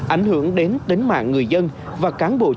ảnh hưởng đến tính mạng người dân và cơ quan công an gần nhất